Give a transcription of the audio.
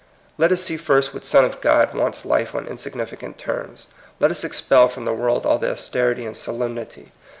Let us see first what son of God wants life on insignificant terms. Let us expel from the world all the austerity and solem nity.